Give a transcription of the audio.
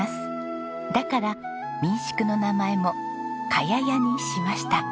だから民宿の名前も茅屋やにしました。